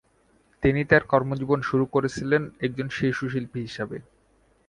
তিনিও তাঁর কর্মজীবন শুরু করেছিলেন একজন শিশুশিল্পী হিসাবে।